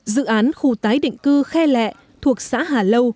dự án khu tái định cư khe lẹ thuộc xã hà lâu